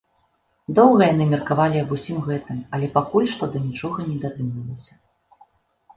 Доўга яны меркавалі аб усім гэтым, але пакуль што да нічога не дадумаліся.